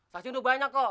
saya cintu banyak kok